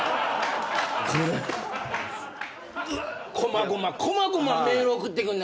こまごまこまごまメール送ってくんの。